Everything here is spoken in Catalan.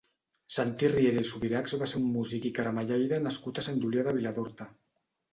Santi Riera i Subirachs va ser un músic i caramellaire nascut a Sant Julià de Vilatorta.